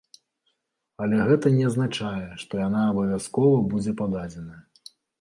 Але гэта не азначае, што яна абавязкова будзе пададзеная.